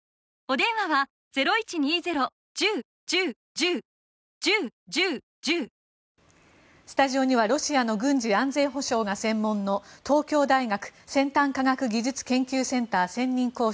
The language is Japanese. １年を前にアメリカ、バイデン大統領がスタジオにはロシアの軍事・安全保障が専門の東京大学先端科学技術研究センター専任講師